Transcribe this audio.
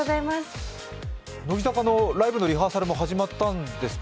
乃木坂のライブのリハーサルも始まったんですか？